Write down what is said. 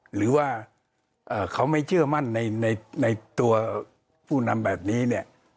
หรือว่าเขาไม่เชื่อมั่นในตัวผู้นำแบบนี้เนี่ย